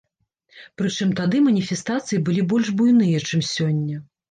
Прычым тады маніфестацыі былі больш буйныя, чым сёння.